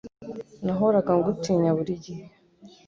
Nahoraga ngutinya, buri gihe